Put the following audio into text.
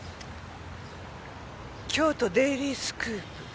京都デイリースクープ。